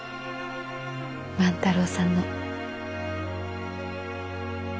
万太郎さんの。